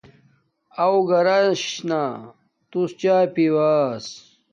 اُو گھرانا توس چاݵ پیوس